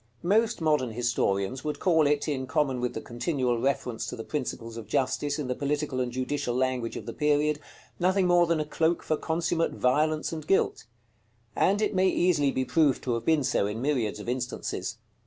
Most modern historians would call it, in common with the continual reference to the principles of justice in the political and judicial language of the period, nothing more than a cloak for consummate violence and guilt; and it may easily be proved to have been so in myriads of instances.